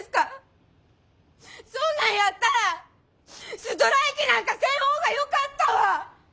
そんなんやったらストライキなんかせん方がよかったわ！